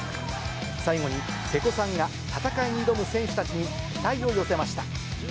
最後に瀬古さんが戦いに挑む選手たちに期待を寄せました。